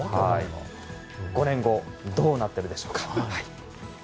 ５年後どうなってるでしょうか。